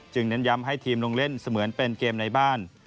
เน้นย้ำให้ทีมลงเล่นเสมือนเป็นเกมในบ้าน